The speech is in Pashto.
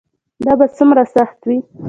دا به څومره سخت وي.